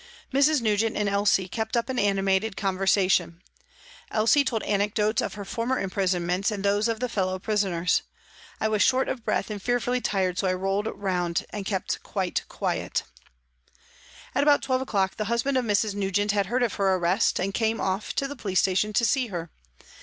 Mrs. Nugent and Elsie kept up an animated con versation. Elsie told anecdotes of her former imprisonments and those of the fellow prisoners. I was short of breath and fearfully tired, so I rolled round and kept quite quiet. At about 12 o'clock the husband of Mrs. Nugent had heard of her arrest, and came off to the police station to see her.